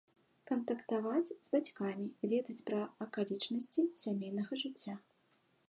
Кантактаваць з бацькамі, ведаць пра акалічнасці сямейнага жыцця.